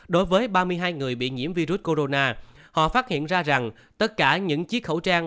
đối với ba mươi hai người bị nhiễm virus corona họ phát hiện ra rằng tất cả những chiếc khẩu trang